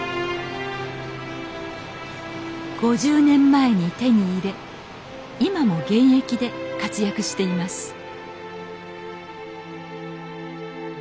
５０年前に手に入れ今も現役で活躍しています